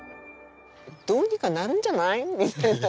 どうにかなるんじゃない？みたいな。